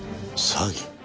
詐欺？